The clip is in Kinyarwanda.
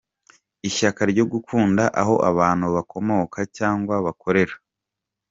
Ishyaka ryo gukunda aho abantu bakomoka cyangwa bakorera.